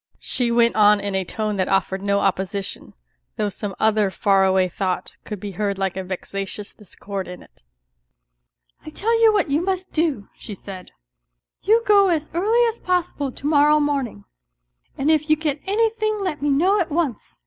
she went on in a tone that offered no opposition, though some other far away thought could be heard like a vexatious discord in it. " I tell you what you must do," she said, "you go as early as possible to morrow morning, and if you get anything let me know at once.